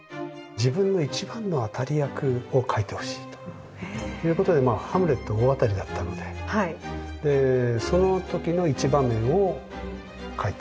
自分の一番の当たり役を描いてほしいということでハムレットは大当たりだったのでその時の一場面を描いた。